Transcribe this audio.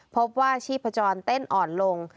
พบว่าชีพจรเต้นอ่อนลง